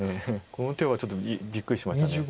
この手はちょっとびっくりしました。